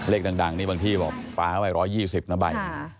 เลขดังนี่บางที่ฟ้าไว้๑๒๐นะใบ